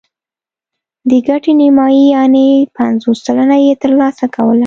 د ګټې نیمايي یعنې پنځوس سلنه یې ترلاسه کوله.